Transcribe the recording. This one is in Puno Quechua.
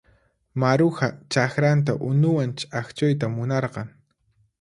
Maruja chakranta unuwan ch'akchuyta munarqan.